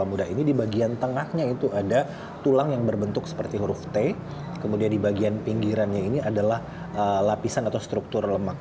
untunglah saya masih ke bagian meja dan tempat duduk